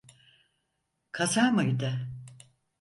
Kaza mıydı?